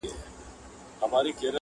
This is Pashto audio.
پښتون ژغورني غورځنګ ته!!!